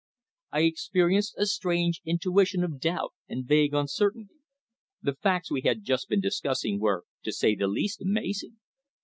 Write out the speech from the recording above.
I experienced a strange intuition of doubt and vague uncertainty. The facts we had just been discussing were, to say the least, amazing.